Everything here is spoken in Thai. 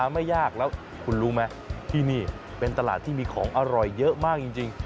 ไม่ยากแล้วคุณรู้ไหมที่นี่เป็นตลาดที่มีของอร่อยเยอะมากจริง